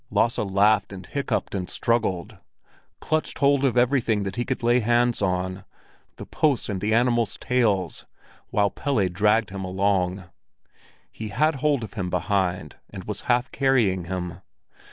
Lasse laughed and hiccupped and struggled; clutched hold of everything that he could lay hands on—the posts and the animals' tails—while Pelle dragged him along. He had hold of him behind, and was half carrying him.